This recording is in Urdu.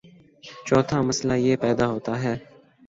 چوتھا مسئلہ یہ پیدا ہوتا ہے